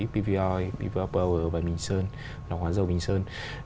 pvoi pvo power và vinh sơn